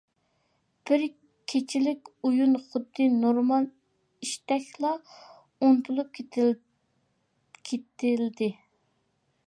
بىر كېچىلىك ئويۇن خۇددى نورمال ئىشتەكلا ئۇنتۇلۇپ كېتىلدى.